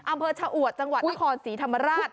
อำเภอชะอวดจังหวัดนครศรีธรรมราช